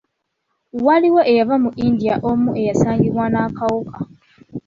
Waaliwo eyava mu India omu eyasangibwa n'akawuka.